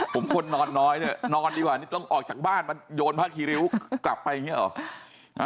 ผมคนนอนน้อยเนี่ยนอนดีกว่านี่ต้องออกจากบ้านมาโยนผ้าคีริ้วกลับไปอย่างนี้หรอ